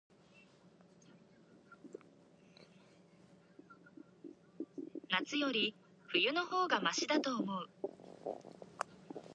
夏より、冬の方がましだと思う。